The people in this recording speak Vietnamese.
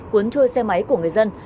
cuốn trôi xe máy của người dân